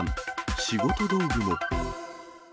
仕事道具も。